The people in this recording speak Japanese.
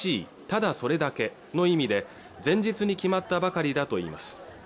ただそれだけの意味で前日に決まったばかりだといいます